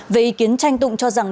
về ý kiến tranh tụng cho rằng